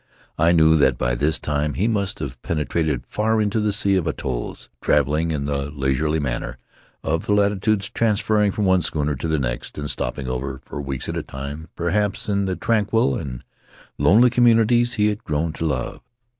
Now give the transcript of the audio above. I knew that by this time he must have penetrated far into the sea of atolls, traveling in the leisurely manner of these latitudes, transferring from one schooner to the next and stopping over — for weeks at a time, perhaps — in the tranquil and lonely communities he had grown to love.